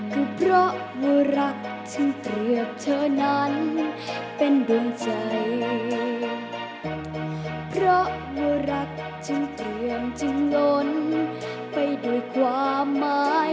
เพราะว่ารักถึงเตรียมถึงหล่นไปโดยความหมาย